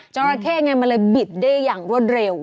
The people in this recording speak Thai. ราเข้ไงมันเลยบิดได้อย่างรวดเร็ว